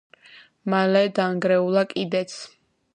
მალე დანგრეულა კიდეც.